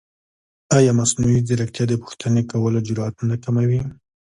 ایا مصنوعي ځیرکتیا د پوښتنې کولو جرئت نه کموي؟